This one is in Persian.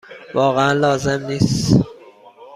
واقعا لازم نیست.